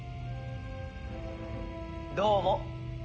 どうも。